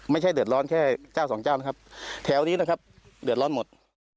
ไม่ใช่เดือดร้อนแค่เจ้าสองเจ้านะครับแถวนี้นะครับเดือดร้อนหมด